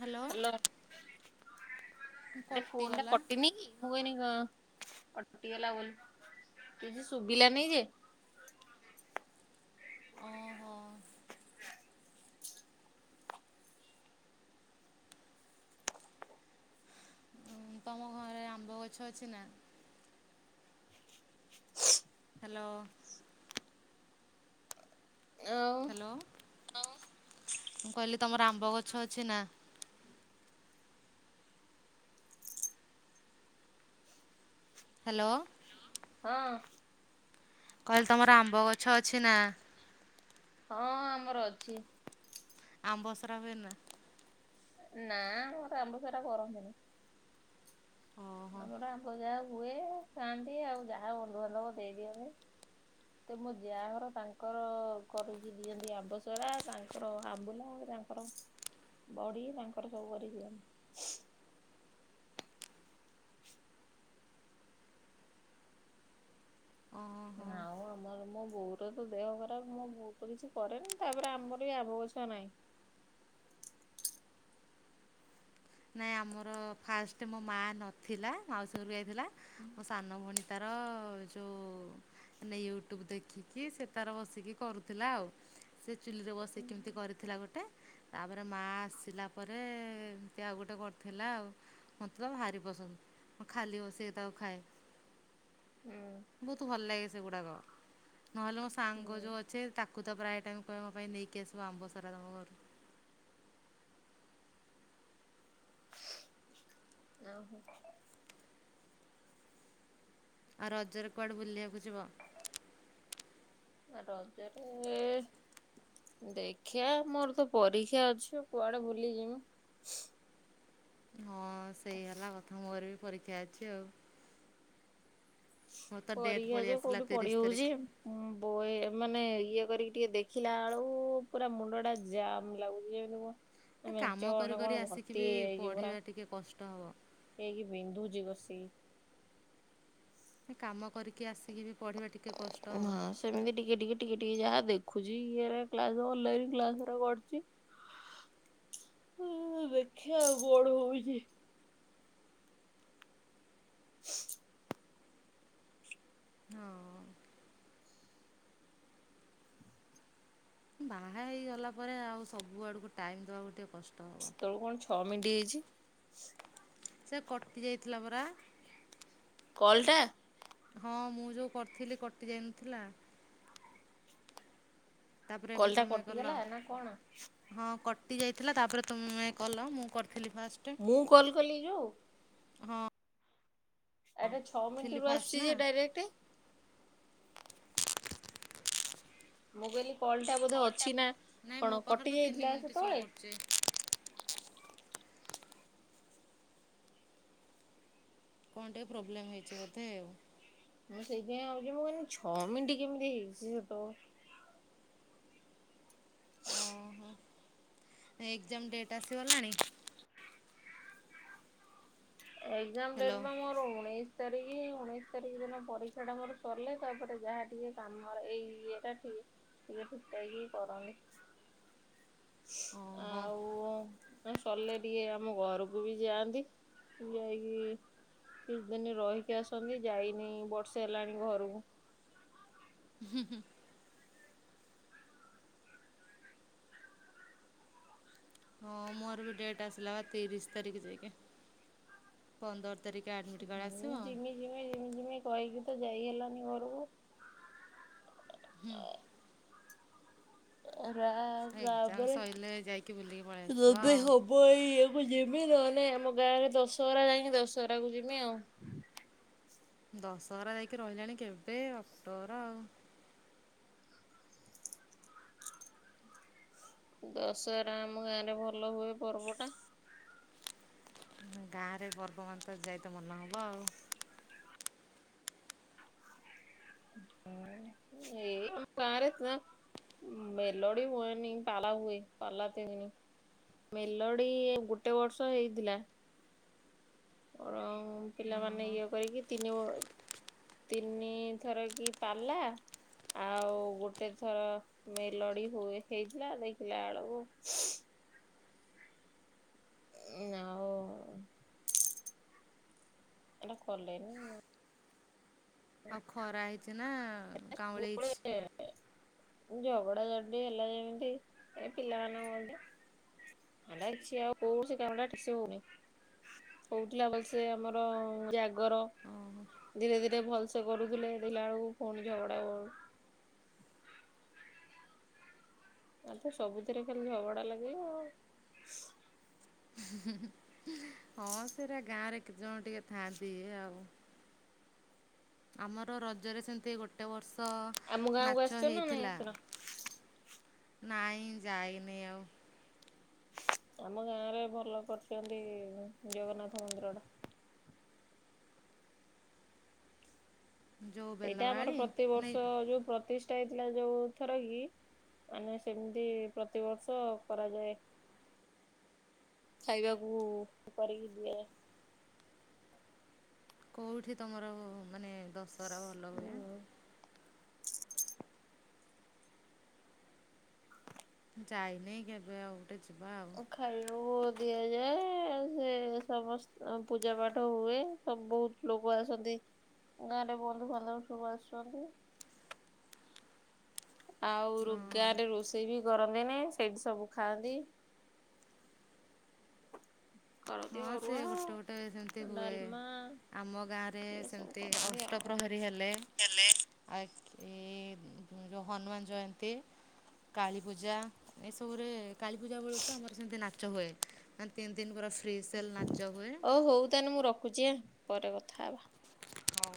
Hello. ଏ phone ଟା କଟିଗଲା କଟିନି କି? ହୁଏନି କ କଟିଗଲା ବୋଲି କିଛି ଶୁଭିଲାନି ଯେ ଓହୋ। ତମ ଘରେ ଆମ୍ବ ଗଛ ଅଛି ନା? ହ୍ୟାଲୋ। ଆଉ ହ୍ୟାଲୋ ମୁଁ କହିଲି ତମର ଆମ୍ବ ଗଛ ଅଛି ନା? ହ୍ୟାଲୋ। ହଁ। କହିଲେ ତମର ଆମ୍ବ ଗଛ ଅଛି ନା? ହଁ ଆମର ଅଛି। ଆମ୍ବୋଶରା ହୁଏ ନା। ନାଆଁ ଆମର ଆମ୍ବଶରା କରନ୍ତିନି। ଓହୋ ଆମର ଆମ୍ବଶରା ହୁଏ ଖାଆନ୍ତି ଆଉ ଯାହା ବନ୍ଧୁବାନ୍ଧବ ଦେଇଦିଅନ୍ତି। ସେ ମୋ ଯାଆ ଘର ତାଙ୍କର କରିକି ଦିଅନ୍ତି ଆମ୍ବସରା ତାଙ୍କର ଆମ୍ବୁଲ ତାଙ୍କ ତାଙ୍କର ବଡ଼ି ତାଙ୍କର ସବୁ କରି ଦିଅନ୍ତି। ହଁ। ଆଉ ଆମର ମୋ ବୋଉର ତ ଦେହ ଖରାପ ମୋ ବଉତ କିଛି କରେନି ତାପରେ ଆମରି ଆମ୍ବ ଗଛ ନାହିଁ। ନାଇଁ ଆମର ଫାଷ୍ଟ ମୋ ମା ନଥିଲା ମାଉସୀ ଘର ଯାଇଥିଲା ମୋ ସାନ ଭଉଣୀ ତାର ଯୋ ମାନେ ୟୁଟ୍ୟୁବ ଦେଖିକି ସେ ତାର ବସିକି କରୁଥିଲା ଆଉ। ସେ ଚୁଲିରେ ବସେଇ କି କେମିତି କରିଥିଲା ଗୋଟେ ତାପରେ ମା ଆସିଲା ପରେ ସେ ଆଉ ଗୋଟେ କରିଥିଲା ଆଉ ମୋତେ ତ ଭାରି ପସନ୍ଦ ମୁଁ ଖାଲି ବସିକି ତାକୁ ଖାଏ। [inaudible] ବହୁତ ଭଲ ଲାଗେ ସେଗୁଡାକ ନହେଲେ ମୋ ସାଙ୍ଗ ହୁଁ ଯୋଉ ଅଛେ ତାକ୍ କୁ ତ ପ୍ରାୟ ତାଙ୍କ ମୋ ପାଇଁ ନେଇକି ଆସିବ ଆମ୍ବ ସରା ତମ ଘରୁ। ଆହୋ। ଆ ରଜରେ କୁଆଡେ ବୁଲିବାକୁ ଯିବ। ରଜରେ। ଦେଖିବା ମୋର ତ ପରୀକ୍ଷା ଅଛି କୁଆଡେ ବୁଲି ଯିବୁ। ହଁ ସେଇ ହେଲା କଥା ମୋର ବି ପରୀକ୍ଷା ଅଛି ଆଉ। ମୋର ତ ଡେଟ୍ ପରୀକ୍ଷା ପଳେଇ ଯେ ଆସିଲା କୋଉଠି ପଢି ତିରିଶ ତାରିଖ। ହଉଛି ବୋ ହୋଏ ଏମାନେ ଇଏ କରିକି ଟିକେ ଦେଖିଲା ବେଳୁକୁ ପୁରା ମୁଣ୍ଡ ଟା ଜାମ୍ ଲାଗୁଛି ଯେମିତି କୁହ ଏ ମେଞ୍ଚ କାମ କଣ କରି ନା କରି କଣ ଆସିକି ଭର୍ତ୍ତି ବି ହେଇଛି ପରା। ପଢ଼ିବା ଟିକେ କଷ୍ଟ ହବ। ଏଇକି ବିନ୍ଦୁଚି କସିକି। କାମ କରିକି ଆସିକି ବି ପଢ଼ିବା ଟିକେ କଷ୍ଟ। ହବ। ହଁ ସେମିତି ଟିକେ ଟିକେ ଟିକେ ଟିକେ ଯାହା ଦେଖୁଛି ଇଏରେ କ୍ଲାସ୍ ଅନଲାଇନ୍ କ୍ଲାସରେ କରୁଛି। ହଁ ହଁ ଦେଖିବା ଆଉ କଣ ହଉଛି। [inaudible] ହଉ। ବାହା ହେଇଗଲା ପରେ ଆଉ ସବୁ ଆଡକୁ ଟାଇମ୍ ଦବାକୁ ଟିକେ କଷ୍ଟ। ହବ। ସେତେବେଳକୁ କଣ ଛଅ ମିନିଟ୍ ହେଇଛି। ସେ କଟି ଯାଇଥିଲା ପରା। କଲଟା। ହଁ ମୁଁ ଯୋଉ କରିଥିଲି କଟି ଯାଇନଥିଲା। ତାପରେ ଏବେ କଲ୍ ଟା ତମେ କଲ। କଟିଗଲା ନା କଣ? ହଁ କଟି ଯାଇଥିଲା ତାପରେ ତୁମେ କଲ ମୁଁ କରିଥିଲି ଫାଷ୍ଟ। ମୁଁ କଲ୍ କଲି ଯେଉ। ହଁ। ଆରେ ଛଅ ଥିଲି ମିନିଟ୍ ରୁ ଫାଷ୍ଟ ଆସୁଛି ନା। ଯେ ଡାଇରେକ୍ଟ। ମୁଁ କହିଲ କଲ ଟା ବୋଧେ ଅଛି ନା ନାଇଁ ମୋ କଣ ପାଖରେ ତ କଟି ତିନି ଯାଇଥିଲା ମିନିଟ୍ ଶୋ ସେତେବେଳେ। କରୁଛି କଣ ଟିକେ ପ୍ରୋବ୍ଲେମ୍ ହେଇଛି ବୋଧେ ଆଉ। ମୁଁ ସେଇଥିପାଇଁ ଭାବୁଚି ମୁଁ କହିଲି ଛଅ ମିନିଟ୍ କେମିତି ହେଇଛି ସେତବେଳୁ। ଅଁ ହଁ। ଏକ୍ଜାମ ଡେଟ୍ ଆସିଗଲାଣି। ଏକ୍ଜାମ ଡେଟ୍ ହ୍ୟାଲୋ ମୋର ଉଣେଇଶ। ତାରିଖ ଉଣେଇଶି ତାରିଖ ଦିନ ପରୀକ୍ଷା ଟା ମୋର ସରିଲେ ତାପରେ ଯାହା ଟିକେ କାମର ଏଇ ଇଏ ଟା ଠିକ୍। ଟିକେ ଫିଟେଇ କି କରନି। ଓ ହୋ। ନା ସରିଲେ ଟିକେ ଆମ ଘରକୁ ବି ଯାଆନ୍ତି। ଯାଇକି କିଛି ଦିନ ରହିକି ଆସନ୍ତି ଯାଇନି ବର୍ଷେ ହେଲାଣି ଘରକୁ। ହୁଁ ହୁଁ ହଁ ମୋର ବି ଡେଟ୍ ଆସିଲା ବା ତିରିଶ ତାରିଖ ଯାଇକ ପନ୍ଦର ତାରିକ ହୁଁ ଝିମି ଜିମି ଜିମି ଜିମି କହିକି ତ ଯାଇ ହେଲାନି ଘରକୁ ହୁଁ ରା ଏକ୍ଜାମ ବାବରେ ସରିଲେ ଯାଇକି ବୁଲିକି ପଳେଇ ଆସିବା ରବି ଆଉ ହବ। ଇ କୁ ଯିମି ନହଲେ ଆମ ଗାଁ ରେ ଦଶହରା ଯାଇକି ଦଶହରା କୁ ଯିମି ଆଉ ଦଶହରା ଯାଇକି ରହିଲାଣି କେବେ ଅକ୍ଟୋବର ଆଉ ଦଶହରା ଆମ ଗାଁରେ ଭଲ ହୁଏ ପର୍ବଟା ଗାଁରେ ପର୍ବ ମାନେତ ଯାଇତ ମନ ହବ ଆଉ ଏଇ ଆମ ଗାରେ [unintelligible] ମେଲୋଡି ହୁଏନୀ ପାଲା ହୁଏ ପାଲା ତିନି ଦିନ। ମେଲୋଡି ଗୋଟେ ବର୍ଷ ହେଇଥିଲା ଓର ପିଲାମାନେ ଓହୋ ଇଏ କରିକି ତିନି ତିନିଥର କି ପାଲା ଆଉ ଗୋଟେ ଥର ମେଲଡି ହେଇଥିଲା ଦେଖିଲା ବେଳକୁ ନଉ ଏଟା କଲେନି ଆଉ ଖରା ହେଇଛି ନା କାଉଁଳି ହେଇଛି ଝଗଡ଼ା ଝାଟି ହେଲା ଯେମିତି ଏ ପିଲା ମାନ ହୁଅନ୍ତି ହେଲା ଅଛି ଆଉ କୋଉ ସେ କାମ ଟା ଠିକ ସେ ହଉନି ହଉଥିଲା ଭଲସେ ଆମର ଜା ଗର ଓହୋ ଧୀରେ ଧୀରେ ଭଲସେ କରୁଥିଲେ ଦେଖିଲା ବେଳକୁ ପୁଣି ଝଗଡ଼ା କର ଆ ତ ସବୁଥିରେ ଖାଲି ଝବଡା ଲାଗିବ ଆଉ ହଁ ସେଟା ଗାଁ ରେ କେତେ ଜଣ ଟିକେ ଥାଆନ୍ତି ଆଉ ଆମର ରଜରେ ସେମିତି ଗୋଟେ ଗ ବର୍ଷ ଆମ ଗାଁକୁ ନାଚ ଆସିଛ ନା ନାଇଁ ହେଇଥିଲା ଆସିନ? ନାଇଁ ଯାଇନି ଆଉ ଆମ ଗାଁ ରେ ଭଲ କରିଛନ୍ତି ଜଗନ୍ନାଥ ମନ୍ଦିର ଟା ଯୋଉ ସେଇଟା ଆମର ବେଲବାଳି ନାଇଁ ପ୍ରତିବର୍ଷ ଯୋଉ ପ୍ରତିଷ୍ଠା ହେଇଥିଲା ଯୋଉ ଥର କି ମାନେ ସେମିତି ପ୍ରତିବର୍ଷ କରାଯାଏ ଖାଇବାକୁ କରିକି ଦିଏ କେଉଠି ତମର ମାନେ ଦଶହରା ଭଲ ହୁଏ ଉଁ ଯାଇନିଁ କେବେ ଆଉ ଗୋଟେ ଯିବା ଆଉ ଖାଇବାକୁ ଦିଆଯାଏ ସେ ସମସ୍ତ ପୂଜା ପାଠ ହୁଏ ସୁ ବହୁତ ଲୋକ ଆସନ୍ତି ଗାଁ ରେ ବନ୍ଧୁବାନ୍ଧବ ସବୁ ଆସୁଛନ୍ତି ଆଉ ଗାଁରେ ରୋଷେଇ ବି କରନ୍ତି ନେହି ସେଇଠି ସବୁ ଖାଆନ୍ତି କରନ୍ତି ହଁ ସେ ଅରୁଆ ଗୋଟେ ଗୋଟେ ସେମତି ହୁଏ ଡାଲମା ଆମ ଗାଁ ରେ ସେମତି ଅଷ୍ଟପ୍ରହରୀ ହେଲେ ହେଲେ ଆଉ ହନୁମାନ ଜୟନ୍ତୀ କାଳୀପୂଜା ଏସବୁରେ କାଳୀପୂଜା ବେଳକୁ ଆମର ସେମିତି ନାଚ ହୁଏ ଆ ତିନ ତିନ ବରଶ ଓ ହଉ ତାଲେ ମୁଁ ରଖୁଛି ଆ ପରେ କଥା ହେବା। ହଉ।